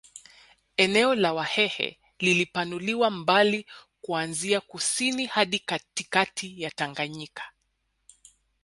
Eneo la Wahehe lilipanuliwa mbali kuanzia kusini hadi katikati ya Tangayika